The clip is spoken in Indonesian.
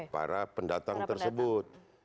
para pendatang tersebut